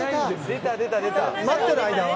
待ってる間は？